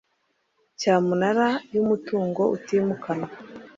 Cyamunara y’umutungo utimukanwa